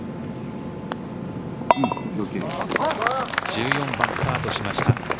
１４番パーとしました。